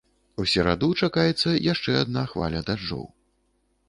У сераду чакаецца яшчэ адна хваля дажджоў.